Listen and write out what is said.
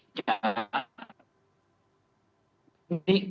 nah yang ketiga kalau kita ukur dari soal strategi politik